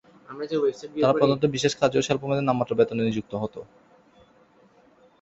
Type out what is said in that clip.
তারা প্রধানত বিশেষ কাজে ও স্বল্পমেয়াদে নামমাত্র বেতনে নিযুক্ত হতো।